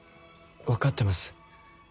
分かってます。